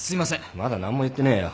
まだ何も言ってねえよ。